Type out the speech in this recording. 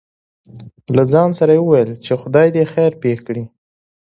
له ځان سره يې وويل :چې خداى دې خېر پېښ کړي.